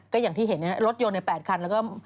ก็อย่างที่เห็นรถยนต์ใน๘คันแล้วก็